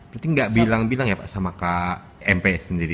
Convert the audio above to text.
berarti nggak bilang bilang ya pak sama kak mp sendiri